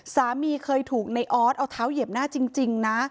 สามีเคยถูกในออสเอาเท้าเหยียบหน้าจริงนะ